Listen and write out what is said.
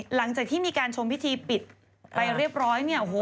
หลังจากที่มีการชมพิธีปิดไปเรียบร้อยเนี่ยโอ้โห